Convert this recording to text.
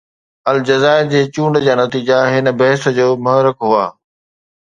الجزائر جي چونڊ نتيجا هن بحث جو محرڪ هئا.